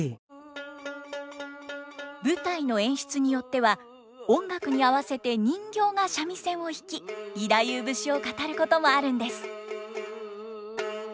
舞台の演出によっては音楽に合わせて人形が三味線を弾き義太夫節を語ることもあるんです。